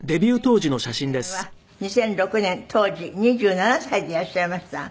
前回の出演は２００６年当時２７歳でいらっしゃいました。